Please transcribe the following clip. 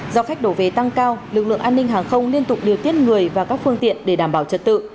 do khách đổ về tăng cao lực lượng an ninh hàng không liên tục điều tiết người và các phương tiện để đảm bảo trật tự